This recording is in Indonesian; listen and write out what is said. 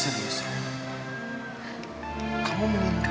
kamu menginginkan itu